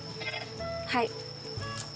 はい。